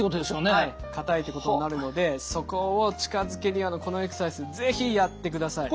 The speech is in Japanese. はいかたいってことになるのでそこを近づけるようなこのエクササイズ是非やってください。